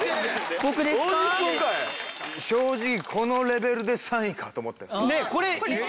正直このレベルで３位かと思ったよ。